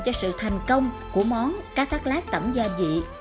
cho sự thành công của món cá thác lát tẩm gia vị